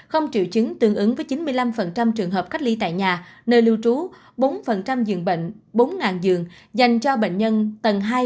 không triệu chứng tương ứng với chín mươi năm trường hợp cách ly tại nhà nơi lưu trú bốn giường bệnh bốn giường dành cho bệnh nhân tầng hai